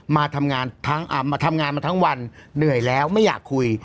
มาทำงานทั้งอัมมาทำงานมาทั้งวันเหนื่อยแล้วไม่อยากคุย